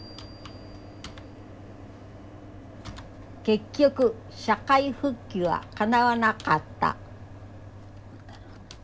結局社会復帰はかなわなかった。